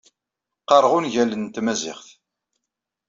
Qqareɣ ungalen n tmaziɣt.